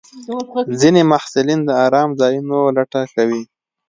ځینې محصلین د ارام ځایونو لټه کوي.